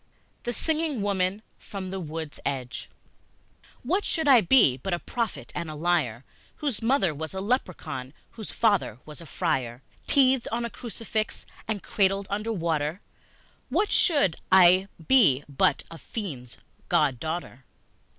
The Singing Woman from the Wood's Edge WHAT should I be but a prophet and a liar, Whose mother was a leprechaun, whose father was a friar? Teethed on a crucifix and cradled under water, What should I be but a fiend's god daughter?